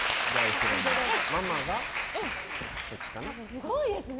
すごいですね